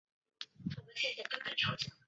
兴化话本来都保留着的鼻韵母。